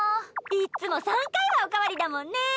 いっつも３回はおかわりだもんね。